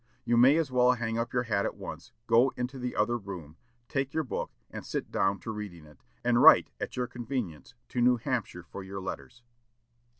You may as well hang up your hat at once; go into the other room; take your book, and sit down to reading it, and write at your convenience to New Hampshire for your letters.'"